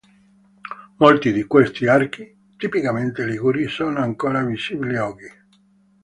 Molti di questi archi, tipicamente liguri, sono ancora visibili oggi.